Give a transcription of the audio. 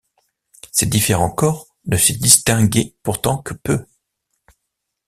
Ces différents corps ne se distinguaient pourtant que peu.